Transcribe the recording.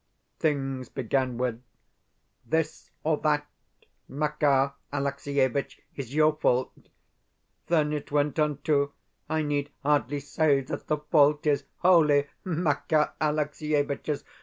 Things began with "this or that, Makar Alexievitch, is your fault." Then it went on to "I need hardly say that the fault is wholly Makar Alexievitch's."